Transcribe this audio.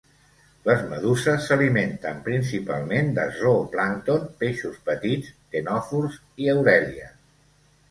Les meduses s"alimenten principalment de zooplàncton, peixos petits, ctenòfors i aurèlies.